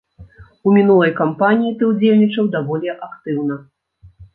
У мінулай кампаніі ты ўдзельнічаў даволі актыўна.